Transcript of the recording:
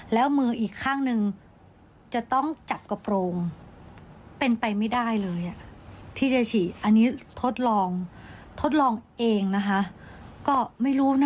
แล้วมืออีกข้างหนึ่งจะต้องจับกระโปรงเป็นไปไม่ได้เลยที่จะฉีดอันนี้ทดลองทดลองเองนะคะก็ไม่รู้นะ